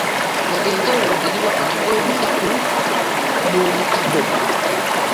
Laga enjawulo eri wakati w'omukaaku n'omukaako?